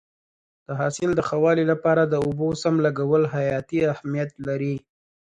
د حاصل د ښه والي لپاره د اوبو سم لګول حیاتي اهمیت لري.